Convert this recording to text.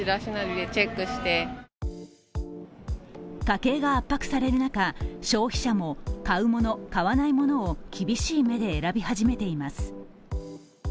家計が圧迫される中、消費者も買うもの、買わないものを厳しい目で選び始めています。